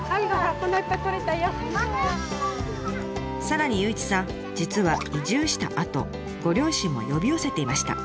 さらに祐一さん実は移住したあとご両親も呼び寄せていました。